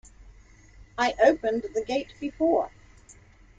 I opened the gate before.